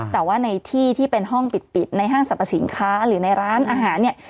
แต่ว่าในที่ที่เป็นห้องปิดในห้างสรรพสินค้าหรือในร้านอาหารเนี่ย